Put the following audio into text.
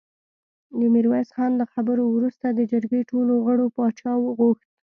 د ميرويس خان له خبرو وروسته د جرګې ټولو غړو پاچا غوښت.